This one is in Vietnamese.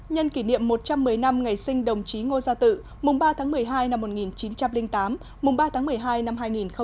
nhân kỷ niệm một trăm một mươi năm ngày sinh đồng chí ngô gia tự mùng ba tháng một mươi hai năm một nghìn chín trăm linh tám mùng ba tháng một mươi hai năm hai nghìn một mươi chín